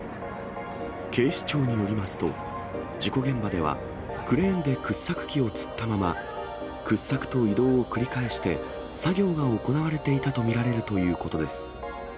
警視庁によりますと、事故現場では、クレーンで掘削機をつったまま、掘削と移動を繰り返して、作業が行われていたと見られるということです。